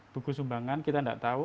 buku sumbangan kita tidak tahu